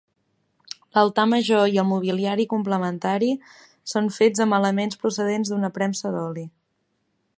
L'altar major i el mobiliari complementari són fets amb elements procedents d'una premsa d'oli.